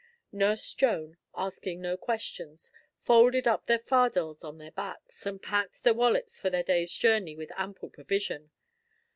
Nurse Joan, asking no questions, folded up their fardels on their backs, and packed the wallets for their day's journey with ample provision.